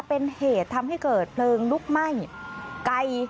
เป็นเหตุทำให้เกิดเพลิงลุกไหม้ไกล